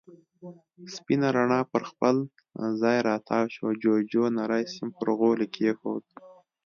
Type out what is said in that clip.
سپينه رڼا پر خپل ځای را تاوه شوه، جُوجُو نری سيم پر غولي کېښود.